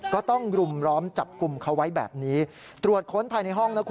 ก็ต้องรุมล้อมจับกุมเขาไว้แบบนี้ตรวจค้นไปในห้อง